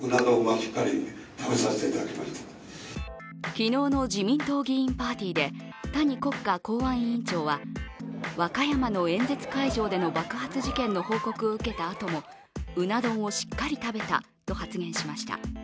昨日の自民党議員パーティーで谷国家公安委員長は和歌山の演説会場での爆発事件の報告を受けたあともうな丼をしっかり食べたと発言しました。